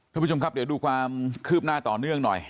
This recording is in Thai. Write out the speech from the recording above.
ท่านผู้ชมครับเดี๋ยวดูความคืบหน้าต่อเนื่องหน่อย